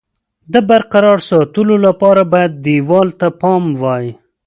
د برقرار ساتلو لپاره باید دېوال ته پام وای.